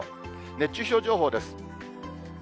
熱中症情報です。